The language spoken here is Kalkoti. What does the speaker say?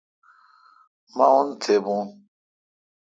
مہ اون تھبون۔